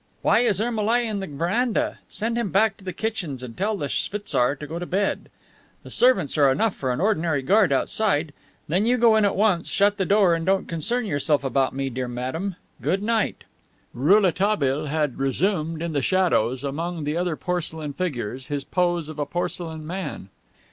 "Why is Ermolai in the veranda? Send him back to the kitchens and tell the schwitzar to go to bed. The servants are enough for an ordinary guard outside. Then you go in at once, shut the door, and don't concern yourself about me, dear madame. Good night." Rouletabille had resumed, in the shadows, among the other porcelain figures, his pose of a porcelain man.